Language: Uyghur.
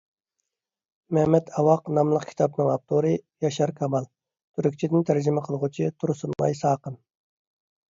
«مەمەت ئاۋاق» ناملىق كىتابنىڭ ئاپتورى: ياشار كامال؛ تۈركچىدىن تەرجىمە قىلغۇچى: تۇرسۇنئاي ساقىم